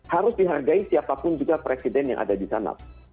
harus dihargai siapapun juga presiden yang ada di sana